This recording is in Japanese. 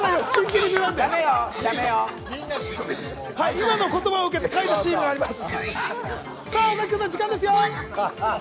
今の言葉を受けて書いたチームがあります。